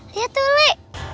lihat tuh li